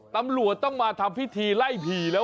ตำรวจต้องมาทำพิธีไล่ผีแล้ว